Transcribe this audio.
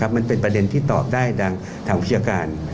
มันเป็นประเด็นที่ตอบได้ดังทางวิชาการ